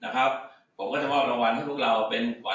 นะครับก็ต้องขอบคุณพี่ประโยชน์ได้ตั้งวัน